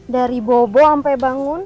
dari bobo sampai bangun